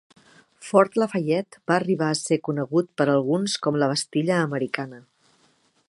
Fort Lafayette va arribar a ser conegut per alguns com la "Bastilla americana".